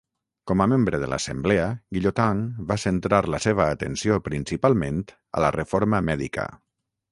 Com a membre de l'assemblea, Guillotin va centrar la seva atenció principalment a la reforma mèdica.